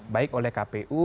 baik oleh kpu